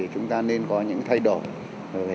chúng ta nên có những thay đổi